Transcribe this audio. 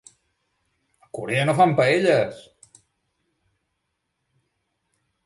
A Corea no fan paelles!